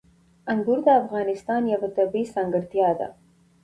انګور د افغانستان یوه طبیعي ځانګړتیا ده.